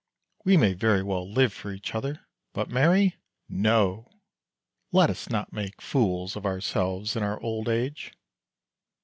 We may very well live for each other, but marry — no! Let us not make fools of ourselves in our old age!